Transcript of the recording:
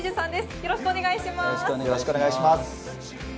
よろしくお願いします。